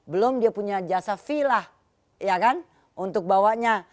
belum dia punya jasa vila ya kan untuk bawanya